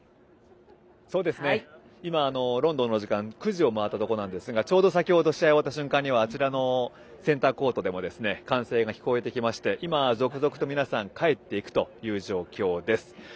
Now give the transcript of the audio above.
今ロンドンの時間９時を回ったところなんですがちょうど先程試合が終わった瞬間にはあちらのセンターコートでも歓声が聞こえてきまして続々と皆さん帰っていくという状況です。